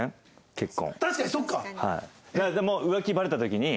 結婚。